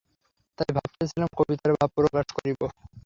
তাই ভাবিতেছিলাম, কবিতায় ভাব প্রকাশ করিব।